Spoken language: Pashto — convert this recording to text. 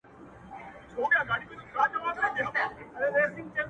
دوی به دواړه وي سپاره اولس به خر وي -